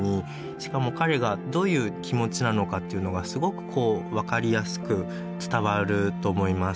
しかも彼がどういう気持ちなのかというのがすごく分かりやすく伝わると思います。